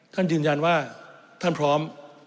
ท่านยืนยันว่าท่านพร้อม